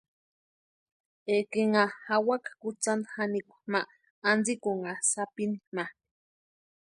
Ekinha jawaka kutsanta janikwa ma antsïkʼunha sapini ma.